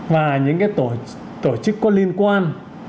và những tổ chức có liên quan